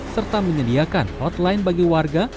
serta menyediakan hotline bagi warga